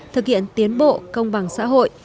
thực hiện tiến bộ công bằng xã hội